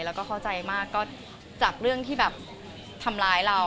แล้วก็เข้าใจมากก็จากเรื่องที่แบบทำร้ายเรา